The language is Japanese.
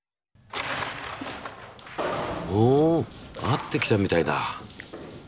お合ってきたみたいだ。